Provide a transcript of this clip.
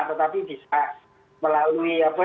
tetapi bisa melalui apa